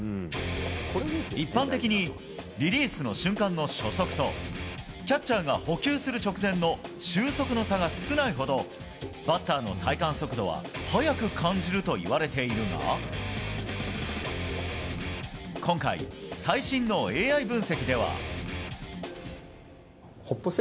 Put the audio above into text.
一般的にリリースの瞬間の初速とキャッチャーが捕球する直前の終速の差が少ないほどバッターの体感速度は速く感じるといわれているが今回、最新のＡＩ分析では。